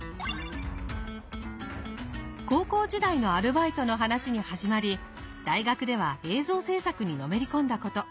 高校時代のアルバイトの話に始まり大学では映像制作にのめり込んだこと。